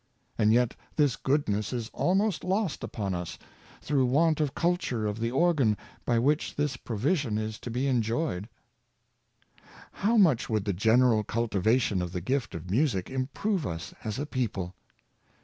And yet this goodness is almost lost upon us, through want of culture of the organ by which this pro vision is to be enjoyed." How much would the general cultivation of the gift of music improve us as a people